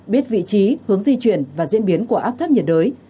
biết vị trí hướng di chuyển và diễn biến của áp thấp nhiệt đới